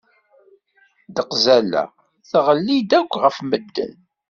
Deqzalla tɣelli-d akk ɣef medden.